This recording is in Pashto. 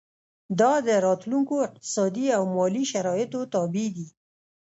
دا د راتلونکو اقتصادي او مالي شرایطو تابع دي.